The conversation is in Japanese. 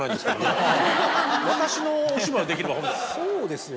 そうですよね。